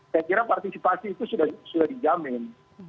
saya kira partisipasi itu sudah dijamin